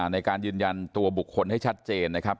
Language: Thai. ในการยืนยันตัวบุคคลให้ชัดเจนนะครับ